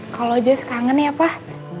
kalo jess kangen ya pak